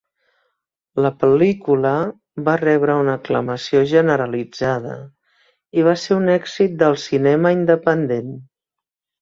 La pel·lícula va rebre una aclamació generalitzada i va ser un èxit del cinema independent.